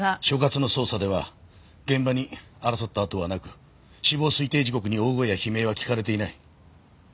所轄の捜査では現場に争った跡はなく死亡推定時刻に大声や悲鳴は聞かれていない。